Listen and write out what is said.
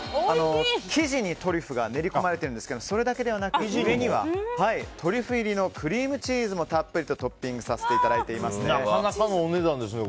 生地にトリュフが練り込まれているんですがそれだけではなくて上にはトリュフ入りのクリームチーズもたっぷりトッピングさせてなかなかのお値段ですね。